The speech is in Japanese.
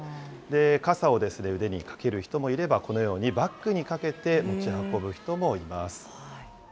傘を腕にかける人もいれば、このようにバッグにかけて持ち運ぶ人もいます。